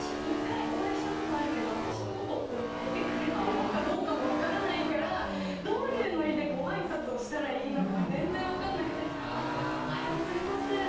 私のことを覚えてくれてるのかどうかも分からないからどういうノリでごあいさつをしたらいいのかが全然分からなくて「あっおはようございます」。